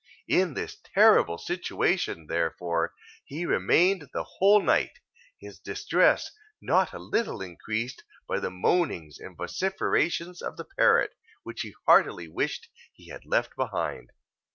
In this terrible situation, therefore, he remained the whole night, his distress not a little increased by the moanings and vociferations of the parrot, which he heartily wished he had left behind.